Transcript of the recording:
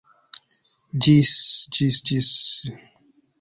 Ĝis... ĝis... ĝis...